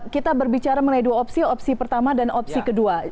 kita berbicara mengenai dua opsi opsi pertama dan opsi kedua